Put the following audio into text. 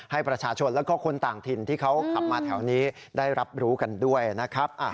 ให้ประชาชนแล้วก็คนต่างถิ่นที่เขาขับมาแถวนี้ได้รับรู้กันด้วยนะครับ